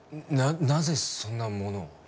ななぜそんなものを？